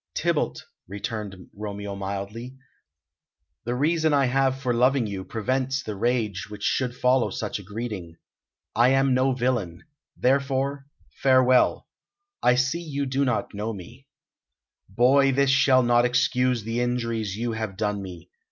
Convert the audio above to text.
"Tybalt," returned Romeo mildly, "the reason I have for loving you prevents the rage which should follow such a greeting. I am no villain. Therefore, farewell. I see you do not know me." "Boy, this shall not excuse the injuries you have done me.